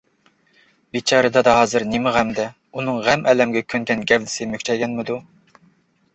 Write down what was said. بىچارە دادا ھازىر نېمە غەمدە، ئۇنىڭ غەم-ئەلەمگە كۆنگەن گەۋدىسى مۈكچەيگەنمىدۇ؟